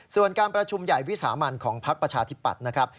ส่วนการประชุมใหญ่วิสามันของพักประชาธิปัตย์นะครับ